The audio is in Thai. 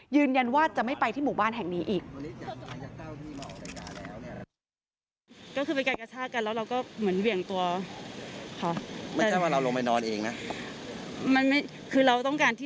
ยืนยันว่าจะไม่ไปที่หมู่บ้านแห่งนี้อีก